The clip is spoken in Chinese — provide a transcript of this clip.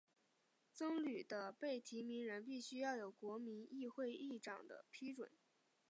僧侣的被提名人必须要有国民议会议长的批准。